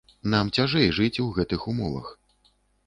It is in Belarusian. Нам цяжэй жыць у гэтых умовах.